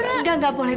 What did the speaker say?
gak gak gak boleh